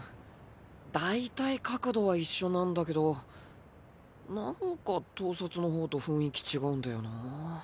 だいたい角度は一緒なんだけど何か盗撮の方と雰囲気違うんだよなぁ。